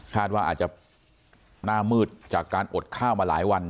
ว่าอาจจะหน้ามืดจากการอดข้าวมาหลายวัน